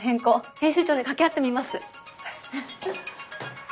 編集長に掛け合ってみます。